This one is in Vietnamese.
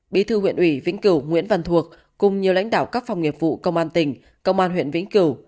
bí thư huyện ủy vĩnh cửu nguyễn văn thuộc cùng nhiều lãnh đạo các phòng nghiệp vụ công an tỉnh công an huyện vĩnh cửu